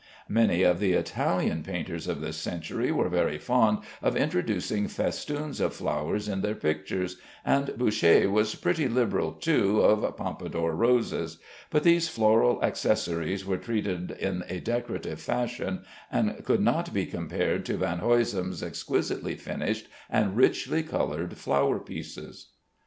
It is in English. Many of the Italian painters of this century were very fond of introducing festoons of flowers in their pictures, and Boucher was pretty liberal too of Pompadour roses, but these floral accessories were treated in a decorative fashion, and could not be compared to Van Huysum's exquisitely finished and richly colored flower pieces.